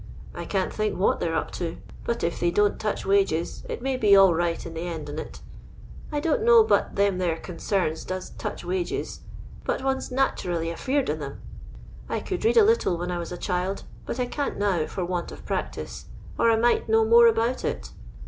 I can't think what they 're up to; but if they don't touch wages, it may be all right in the end on it I don't know that them there consams does touch wages, but 0ne 's nate ndly afeard on 'am. I could read a little when I was a child, but I can't now for want of practice, or I might know more about it.